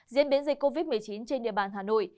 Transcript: diễn biến dịch covid một mươi chín trên địa bàn hà nội